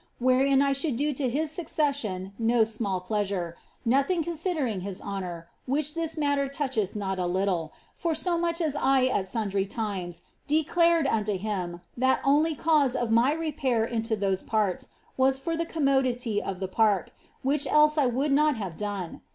wherein I bhould do to his succession no small pleasure, nothing con. idering his honour, which this matter toucheth not a litilf, for so much as 1 ut sundry times declared unto him that only cause of my repair into thrtse [iarts was for the commotlity of the prirk, which else I wouhl not have done.